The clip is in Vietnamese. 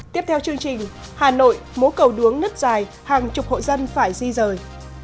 tiếp theo chương trình hà nội mố cầu đuống nứt dài hàng chục hội dân phải di rời